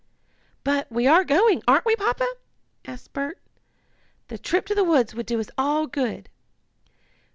"But we are going; aren't we, Papa?" asked Bert. "The trip to the woods would do us all good."